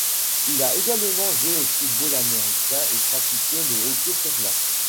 Il a également joué au football américain et pratiqué le hockey sur glace.